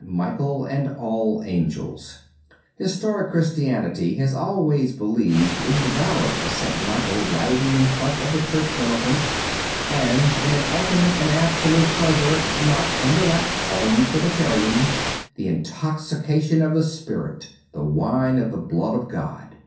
MICHAEL AND ALL ANGELS HISTORIC Christianity has always believed in the valour of St. Michael riding in front of the Church Militant, and in an ultimate and absolute pleasure, not indirect or utilitarian, the intoxication of the Spirit, the wine of the blood of God.